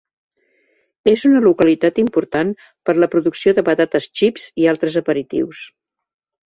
És una localitat important per la producció de patates xips i altres aperitius.